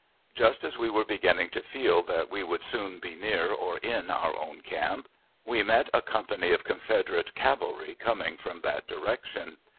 Just as we were beginning to feel that we would soon be near or in our own camp we met a company of Confederate cavalry coming from that direction.